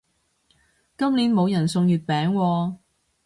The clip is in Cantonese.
今年冇人送月餅喎